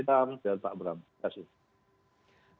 dan pak abram terima kasih